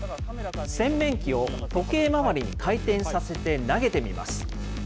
洗面器を時計回りに回転させて投げてみます。